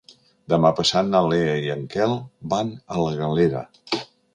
Demà passat na Lea i en Quel van a la Galera.